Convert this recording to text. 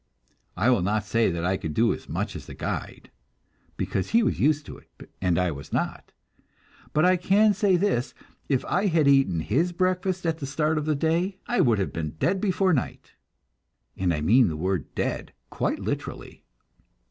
I will not say that I could do as much as the guide, because he was used to it, and I was not. But I can say this if I had eaten his breakfast at the start of the day, I would have been dead before night; and I mean the word "dead" quite literally.